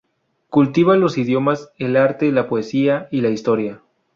Cultiva los idiomas, el Arte, la Poesía y la Historia.